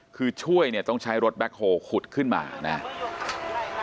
คือช่วยเนี้ยต้องใช้รถขุดขึ้นมานะฮะเนี่ย